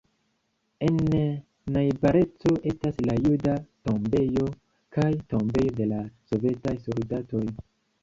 En najbareco estas La juda tombejo kaj Tombejo de la sovetaj soldatoj.